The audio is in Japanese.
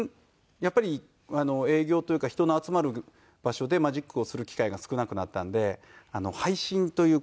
やっぱり営業というか人の集まる場所でマジックをする機会が少なくなったんで配信という。